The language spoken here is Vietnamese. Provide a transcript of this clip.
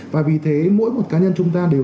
và vì thế mỗi một cá nhân chúng ta đều